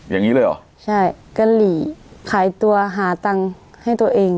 อย่างนี้เลยเหรอใช่กะหรี่ขายตัวหาตังค์ให้ตัวเอง